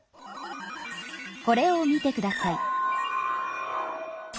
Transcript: これを見てください。